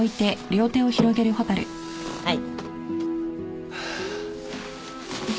はい